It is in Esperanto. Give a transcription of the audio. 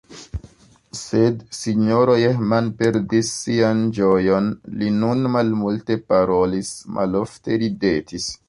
Sed S-ro Jehman perdis sian ĝojon; li nun malmulte parolis, malofte ridetis.